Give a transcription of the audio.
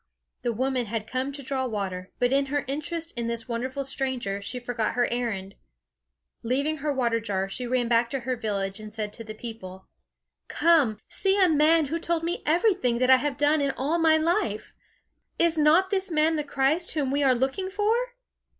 The woman had come to draw water, but in her interest in this wonderful stranger, she forgot her errand. Leaving her water jar, she ran back to her village, and said to the people: "Come, see a man who told me everything that I have done in all my life! Is not this man the Christ whom we are looking for?"